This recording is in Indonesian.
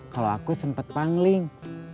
kalau aku sempet pangling